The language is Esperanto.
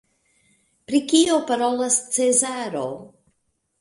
Pri kio parolas Cezaro?